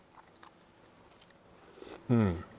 うん